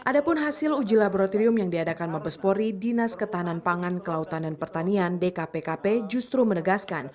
adapun hasil uji laboratorium yang diadakan mabes pore dinas ketahanan pangan kelautan dan pertanian dkpkp justru menegaskan